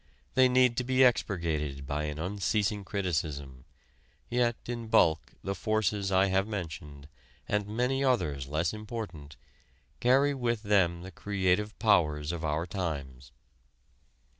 They need to be expurgated by an unceasing criticism; yet in bulk the forces I have mentioned, and many others less important, carry with them the creative powers of our times.